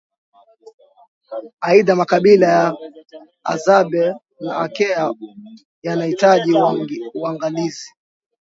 Aidha makabila ya Hadzabe na Akea yanahitaji uangalizi